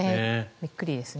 びっくりですね。